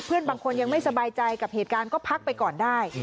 เพื่อนบางคนยังไม่สบายใจกับเหตุการณ์ก็พักไปก่อนได้